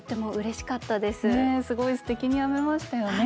すごいすてきに編めましたよね。